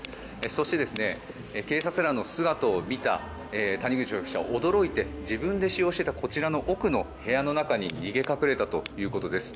そして、警察らの姿を見た谷口容疑者は驚いて、自分で使用していたこちらの奥の部屋に逃げ隠れたということです。